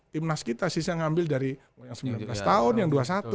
timnas kita sih saya ngambil dari yang sembilan belas tahun yang dua puluh satu